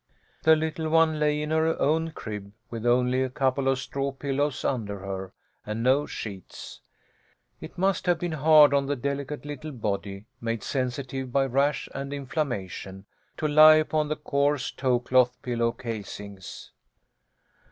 The little one lay in her own crib with only a couple of straw pillows under her, and no sheets. It must have been hard on the delicate little body, made sensitive by rash and inflammation, to lie upon the coarse tow cloth pillow casings.